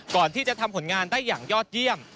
ก่อนที่จะทำผลงานได้อย่างยอดเยี่ยม